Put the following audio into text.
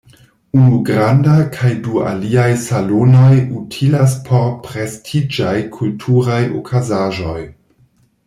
Unu granda kaj du aliaj salonoj utilas por prestiĝaj kulturaj okazaĵoj.